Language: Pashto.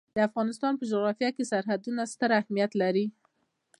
د افغانستان جغرافیه کې سرحدونه ستر اهمیت لري.